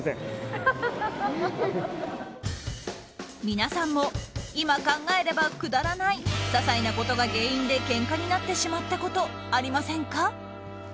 皆さんも今考えればくだらない些細なことが原因でけんかになってしまったことありませんか？